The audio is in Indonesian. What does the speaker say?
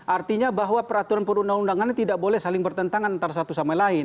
artinya bahwa peraturan perundang undangannya tidak boleh saling bertentangan antara satu sama lain